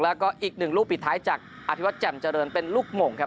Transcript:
แล้วก็อีกหนึ่งลูกปิดท้ายจากอภิวัตรแจ่มเจริญเป็นลูกหม่งครับ